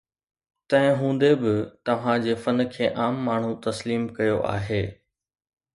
تنهن هوندي به توهان جي فن کي عام ماڻهو تسليم ڪيو آهي.